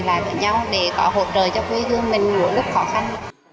lại với nhau để có hộp đời cho quê hương mình ngủ lúc khó khăn